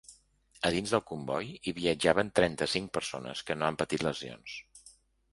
A dins del comboi hi viatjaven trenta-cinc persones, que no han patit lesions.